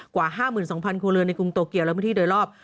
กว่า๕๒๐๐ครัวเรือนในกรุงโตเกียวและพื้นที่โดยรอบ